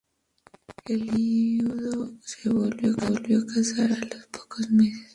El viudo se volvió a casar a los pocos meses.